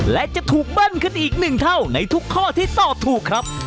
และจะถูกเบิ้ลขึ้นอีกหนึ่งเท่าในทุกข้อที่ตอบถูกครับ